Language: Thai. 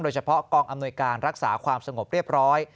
เฉพาะกองอำนวยการรักษาความสงบเรียบร้อย